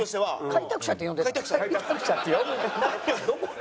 開拓者って呼ぶな。